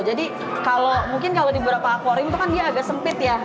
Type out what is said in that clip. jadi kalau mungkin kalau di beberapa akwarium itu kan dia agak sempit ya